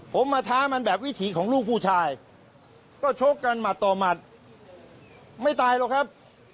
ผมมาท้ามันแบบวิถีของลูกผู้ชายก็ชกกันหมัดต่อหมัดไม่ตายหรอกครับ